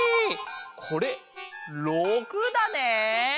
これ６だね。